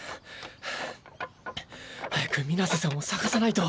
早く水瀬さんを捜さないと。